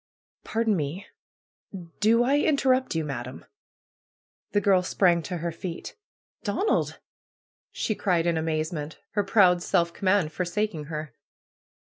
^^Pardon me! Do I interrupt you, Madam?" The girl sprang to her feet. PRUE'S GARDENER ^^Donald!" she cried, in amazement, her proud self command forsaking her.